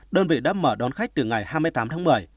đơn vị đã mở đón khách từ ngày hai mươi tám tháng một mươi